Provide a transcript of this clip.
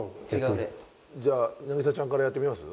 じゃあ凪咲ちゃんからやってみます？